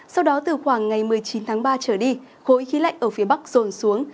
sau đó từ khoảng ngày một mươi chín tháng ba trở đi khối khí lạnh ở phía bắc rồn xuống